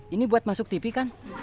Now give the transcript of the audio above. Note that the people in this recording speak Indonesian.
ini buat masuk tv kan